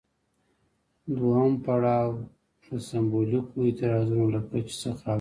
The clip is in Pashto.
دویم پړاو د سمبولیکو اعتراضونو له کچې څخه اوړي.